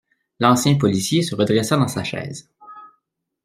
L’ancien policier se redressa dans sa chaise.